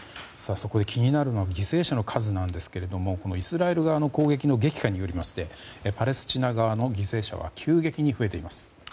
そこで気になるのは犠牲者の数なんですけどもイスラエル側の攻撃の激化によりましてパレスチナ側の犠牲者は急激に増えています。